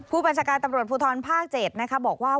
ผู้บัญชาการตำรวจภูทรภาค๗บอกว่า